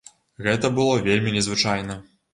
Гэта было вельмі незвычайна!